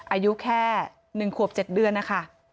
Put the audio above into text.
อายุแค่๑ขวบ๗เดือนนะคะ